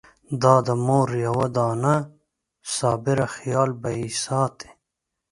دا د مور یوه دانه صابره خېال به يې ساتي!